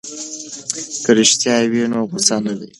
که رښتیا وي نو غوسه نه وي.